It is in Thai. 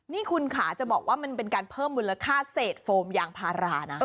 นี่คุณขาจะบอกว่ามันเป็นการเพิ่มมูลค่าเศษโฟมยางพารานะ